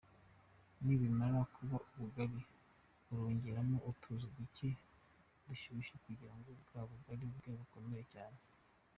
Nibimara kuba ubugari, urongeramo utuzi duke dushyushye kugira ngo bwa bugali bwe gukomera cyane .